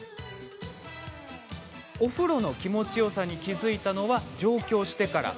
お風呂の気持ちよさに気付いたのは、上京してから。